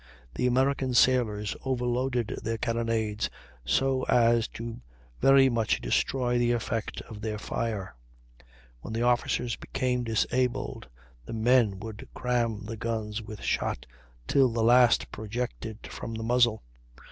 The American sailors overloaded their carronades so as to very much destroy the effect of their fire; when the officers became disabled, the men would cram the guns with shot till the last projected from the muzzle.